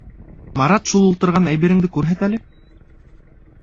Марат шул ултырған әйбереңде күрһәт әле?